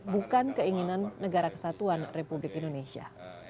bukan keinginan negara kesatuan republik indonesia